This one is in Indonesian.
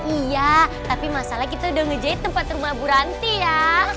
iya tapi masalahnya kita udah ngejahit tempat rumah buranti ya